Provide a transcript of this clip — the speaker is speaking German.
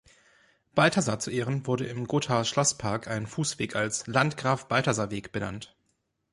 Balthasar zu Ehren wurde im Gothaer Schlosspark ein Fußweg als „Landgraf-Balthasar-Weg“ benannt.